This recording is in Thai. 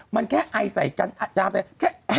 มันแค่ไอใส่กันอาจารย์